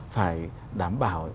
phải đảm bảo